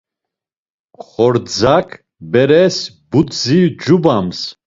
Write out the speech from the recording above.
Xordzak beres budzi cubams.